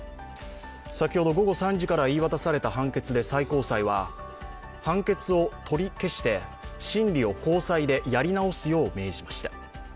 先ほど午後３時から言い渡された判決で最高裁は、判決を取り消して審理を高裁でやり直すよう命じました。